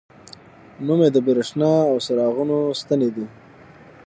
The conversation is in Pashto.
نوم یې د بریښنا او څراغونو ستنې دي.